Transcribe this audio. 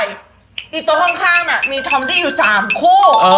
ไอ้ต้านข้างมีธอมที่อยู่๓คู่